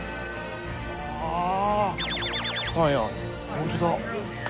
ホントだ。